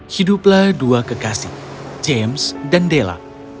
hiduplah dua kekasih james dan della